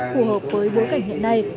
phù hợp với bối cảnh hiện nay